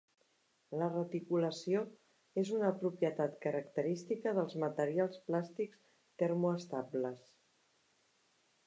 La reticulació és una propietat característica dels materials plàstics termoestables.